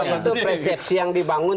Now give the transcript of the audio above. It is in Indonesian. kalau itu persepsi yang dibangun